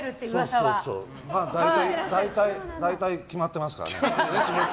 そうそう。大体決まってますからね。